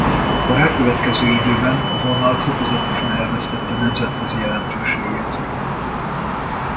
A rákövetkező időben a vonal fokozatosan elvesztette nemzetközi jelentőségét.